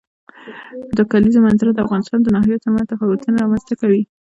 د کلیزو منظره د افغانستان د ناحیو ترمنځ تفاوتونه رامنځ ته کوي.